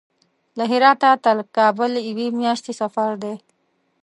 له هراته تر کابل یوې میاشتې سفر دی.